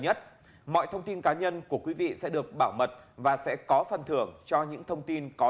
nhất mọi thông tin cá nhân của quý vị sẽ được bảo mật và sẽ có phần thưởng cho những thông tin có